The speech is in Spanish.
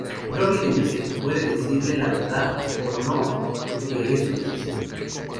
Robbie le dice que puede decirle la verdad o no, que es su decisión.